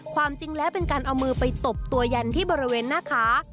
ความจริงแล้วเป็นการเอามือไปตบตัวยันที่บริเวณหน้าขา